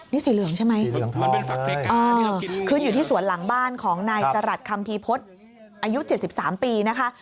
นี่สีเหลืองใช่ไหมคืนอยู่ที่สวนหลังบ้านของนายจรัสคัมภีพฤษอายุ๗๓ปีนะคะ